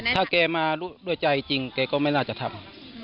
ถ้าแกมาด้วยใจจริงแกก็ไม่น่าจะทำ